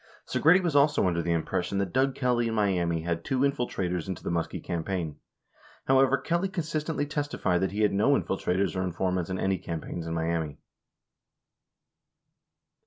53 Segretti was also under the impression that Doug Kelly in Miami had two infiltrators into the Muskie campaign. 54 However, Kelly consistently testified that he had no infiltrators or informants in any campaigns in Miami.